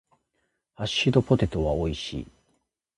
ハッシュドポテトは美味しい。